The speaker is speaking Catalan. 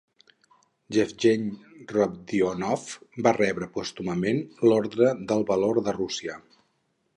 Yevgeny Rodionov va rebre pòstumament l'Ordre del Valor de Rússia.